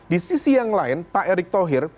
di sisi yang lain pak erick thohir